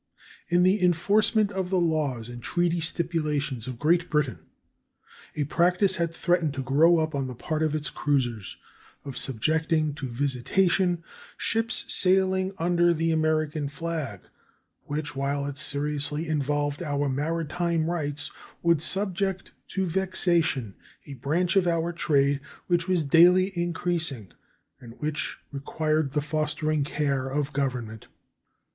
In the enforcement of the laws and treaty stipulations of Great Britain a practice had threatened to grow up on the part of its cruisers of subjecting to visitation ships sailing under the American flag, which, while it seriously involved our maritime rights, would subject to vexation a branch of our trade which was daily increasing, and which required the fostering care of Government.